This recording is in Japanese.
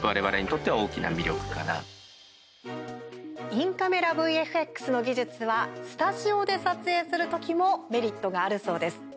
インカメラＶＦＸの技術はスタジオで撮影する時もメリットがあるそうです。